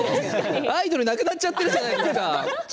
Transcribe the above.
アイドルなくなっているじゃないですか。